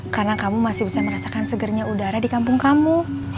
karena kamu masih bisa merasakan segernya udara di kampung kamu